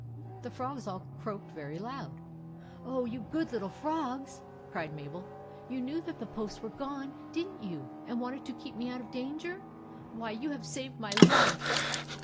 The frogs all croaked very loud. " Oh, you good little frogs !" cried Mabel. " You knew that the posts were gone, did n't you, and wanted to keep me out of danger ? Why, you have saved my life